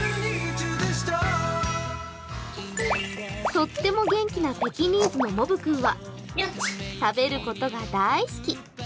とっても元気なペキニーズのモブ君は食べることが大好き。